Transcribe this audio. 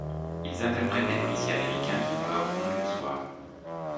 Ils interprètent des policiers américain qui font leur ronde le soir.